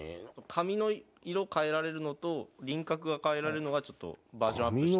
髪の色変えられるのと輪郭が変えられるのがバージョンアップした。